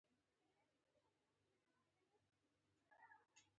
ډېر خلک دي؟ دا نو بیا په ستونزه پورې اړه لري.